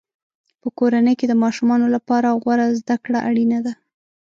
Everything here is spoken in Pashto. په کورنۍ کې د ماشومانو لپاره غوره زده کړه اړینه ده.